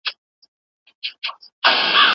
او په زرګونو میلیونه ډالر یې ترلاسه کړل